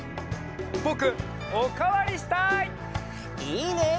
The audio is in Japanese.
ぼくおかわりしたい！いいね！